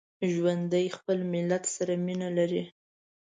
ژوندي خپل ملت سره مینه لري